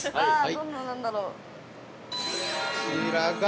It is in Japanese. ◆どんななんだろう？